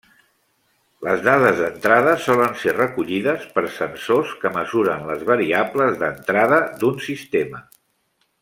Les dades d'entrada solen ser recollides per sensors que mesuren les variables d'entrada d'un sistema.